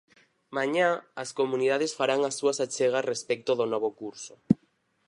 Mañá as Comunidades farán as súas achegas respecto do novo curso.